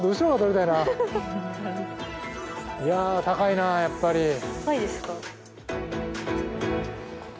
高いな、やっぱり。